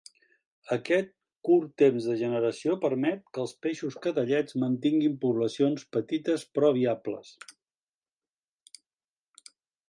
Aquest curt temps de generació permet que els peixos cadellets mantinguin poblacions petites però viables.